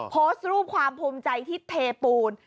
โพสต์รูปความภูมิใจที่เทปูน